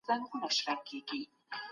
څېړونکی د کلمو تر شا مانا لټوي.